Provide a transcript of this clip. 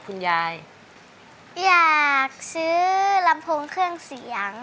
คุณยายแดงคะทำไมต้องซื้อลำโพงและเครื่องเสียง